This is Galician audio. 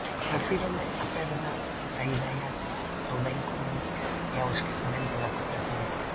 "Refírome á perda da idea do ben común e ao esquecemento da cooperación".